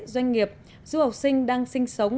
doanh nghiệp du học sinh đang sinh sống